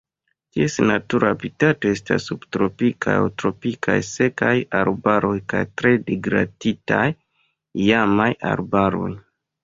Ties natura habitato estas subtropikaj aŭ tropikaj sekaj arbaroj kaj tre degraditaj iamaj arbaroj.